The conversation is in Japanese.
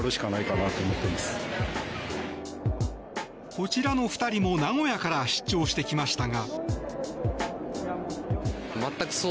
こちらの２人も、名古屋から出張してきましたが。